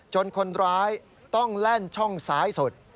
คนร้ายต้องแล่นช่องซ้ายสุด